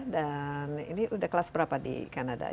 ini sudah kelas berapa di kanada